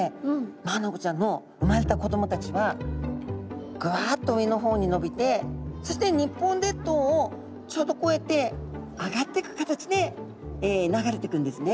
マアナゴちゃんの産まれた子どもたちはぐわっと上の方に伸びてそして日本列島をちょうどこうやって上がってく形で流れてくんですね。